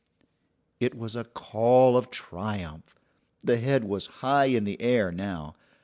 It was a call of triumph. The head was high in the air now.